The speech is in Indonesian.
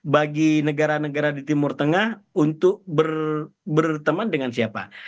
bagi negara negara di timur tengah untuk berteman dengan siapa